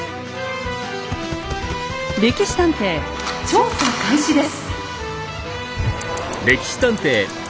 「歴史探偵」調査開始です。